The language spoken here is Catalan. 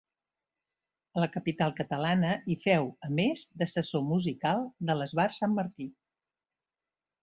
A la capital catalana hi féu, a més, d'assessor musical de l'Esbart Sant Martí.